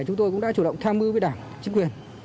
chúng tôi cũng đã chủ động tham mưu với đảng chính quyền